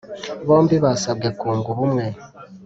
bombi basabwe kunga ubumwe